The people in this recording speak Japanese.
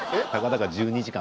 １２時間！？